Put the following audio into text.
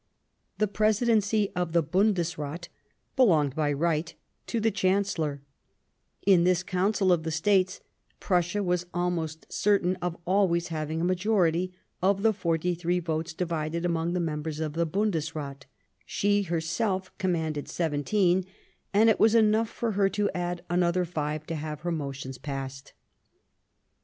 The Presidency of the Bundesrath belonged by right to the Chancellor ; in this Council of the States, Prussia was almost certain of always having a majority ; of the forty three votes divided among the members of the Bundesrath, she herself commanded seventeen, and it was enough for her to add another five to have her motions passed.